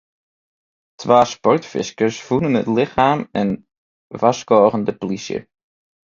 Twa sportfiskers fûnen it lichem en warskôgen de polysje.